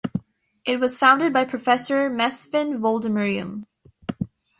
It was founded by Professor Mesfin Woldemariam.